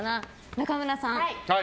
中村さん。